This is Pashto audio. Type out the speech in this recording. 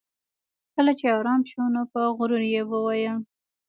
کله چې ارام شو نو په غرور یې وویل